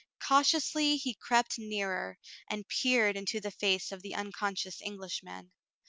Cautiously he crept nearer, and peered into the face of the uncon scious Englishman.